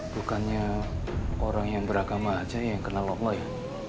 bukannya orang yang beragama aja yang kenal allah ya